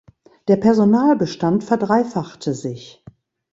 Der Personalbestand verdreifachte sich.